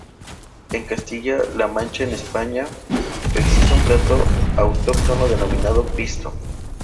En Castilla-La Mancha, en España, existe un plato autóctono denominado pisto.